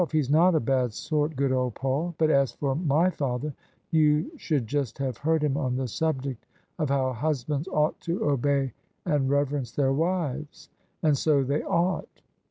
He's not a bad sort, good old Paul ! But as for my father, you should just have heard him on the subject of how hus bands ought to obey and reverence their wives. And so they ought.